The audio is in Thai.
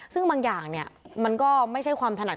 ซึ่งบางอย่างเนี่ยมันก็ไม่ใช่ความถนัด